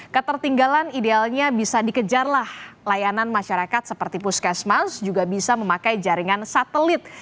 ketertinggalan idealnya bisa dikejarlah layanan masyarakat seperti puskesmas juga bisa memakai jaringan satelit